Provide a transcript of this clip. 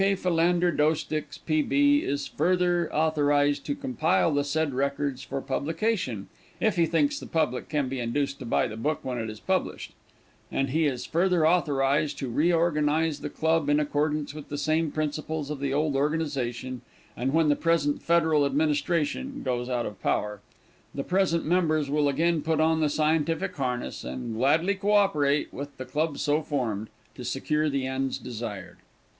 Philander Doesticks, P.B., is further authorized to compile the said records for publication, if he thinks the public can be induced to buy the book when it is published; and he is further authorized to reorganize the Club in accordance with the same principles of the old organization, and when the present federal administration goes out of power, the present members will again put on the scientific harness, and gladly co operate with the club so formed, to secure the ends desired.